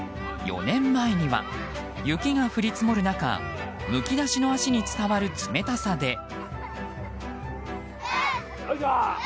４年前には、雪が降り積もる中むき出しの足に伝わる冷たさで。